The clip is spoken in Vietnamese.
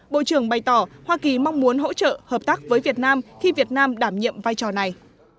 bộ trưởng bày tỏ hoa kỳ mong muốn hỗ trợ hợp tác với việt nam khi việt nam đảm nhiệm vai trò này